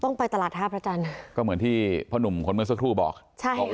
ไปตลาดท่าพระจันทร์ก็เหมือนที่พ่อหนุ่มคนเมื่อสักครู่บอกใช่